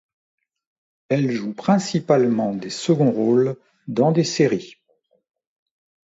Elle joue principalement des seconds rôles dans des séries.